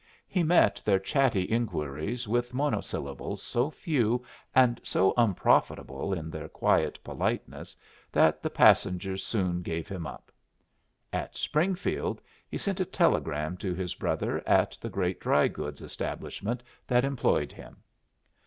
He met their chatty inquiries with monosyllables so few and so unprofitable in their quiet politeness that the passengers soon gave him up. At Springfield he sent a telegram to his brother at the great dry goods establishment that employed him.